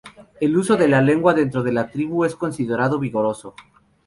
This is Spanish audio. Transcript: El uso de la lengua dentro de la tribu es considerado vigoroso.